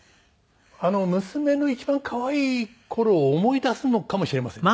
娘の一番可愛い頃を思い出すのかもしれませんね。